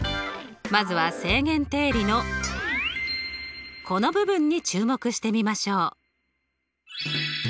まずは正弦定理のこの部分に注目してみましょう。